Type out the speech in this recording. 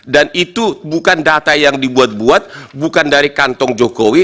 dan itu bukan data yang dibuat buat bukan dari kantong jokowi